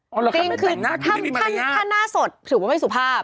อ๋อเหรอถ้าไม่แต่งหน้าคือมีมารยาทถ้าหน้าสดถือว่าไม่สุภาพ